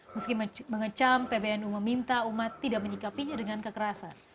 meski mengecam pbnu meminta umat tidak menyikapinya dengan kekerasan